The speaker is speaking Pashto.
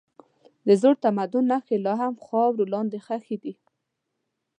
د زوړ تمدن نښې لا هم خاورو لاندې ښخي دي.